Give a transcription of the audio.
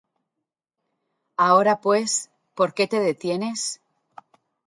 Ahora pues, ¿por qué te detienes?